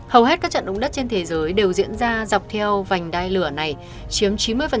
hầu hết các trận động đất trên thế giới đều diễn ra dọc theo vành đai lửa này chiếm chín mươi